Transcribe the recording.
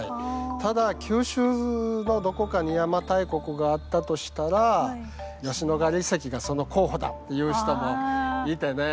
ただ九州のどこかに邪馬台国があったとしたら「吉野ヶ里遺跡がその候補だ」って言う人もいてね